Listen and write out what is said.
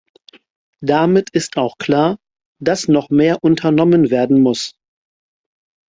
Damit ist auch klar, dass noch mehr unternommen werden muss.